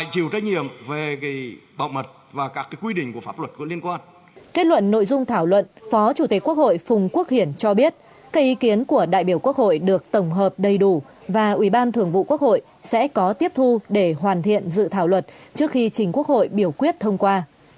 chủ tịch quốc hội phùng quốc hiển cho biết cái ý kiến của đại biểu quốc hội được tổng hợp đầy đủ và ủy ban thường vụ quốc hội sẽ có tiếp thu để hoàn thiện dự thảo luật trước khi chính quốc hội biểu quyết thông qua